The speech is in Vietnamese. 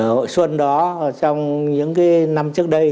hội xuân đó trong những năm trước đây